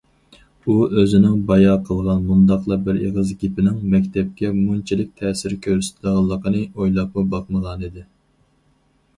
ئۇ ئۆزىنىڭ بايا قىلغان مۇنداقلا بىر ئېغىز گېپىنىڭ مەكتەپكە مۇنچىلىك تەسىر كۆرسىتىدىغانلىقىنى ئويلاپمۇ باقمىغانىدى.